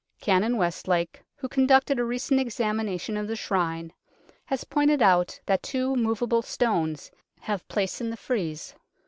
Canon Westlake, who conducted a recent examination of the Shrine, has pointed out that two movable stones have place in the frieze.